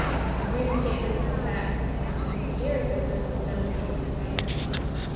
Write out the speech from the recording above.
A brief statement of the facts connected with the dairy business will demonstrate its magnitude.